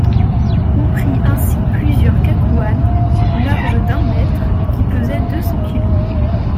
On prit ainsi plusieurs cacouannes, larges d'un mètre, qui pesaient deux cents kilos.